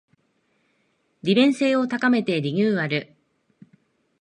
利便性を高めてリニューアル